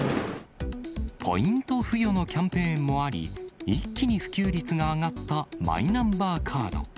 ポイント付与のキャンペーンもあり、一気に普及率が上がったマイナンバーカード。